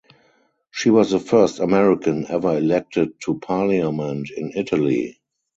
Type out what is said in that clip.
She was the first American ever elected to parliament in Italy.